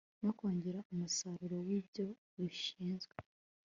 no kongera umusaruro w ibyo bishinzwe